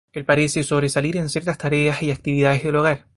Él parece sobresalir en ciertas tareas y actividades del hogar.